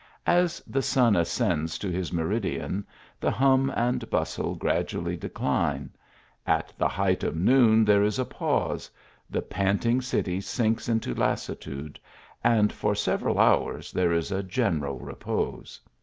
As the sun ascends to his meridian the hum and bustle gradually decline ; at the height of noon there is a pause ; the panting city sinks into lassitude, and for several hours there is a general repose.